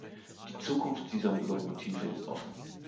Die Zukunft dieser Lokomotive ist offen.